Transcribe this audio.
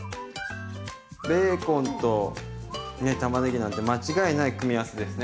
ベーコンと玉ねぎなんて間違いない組み合わせですね。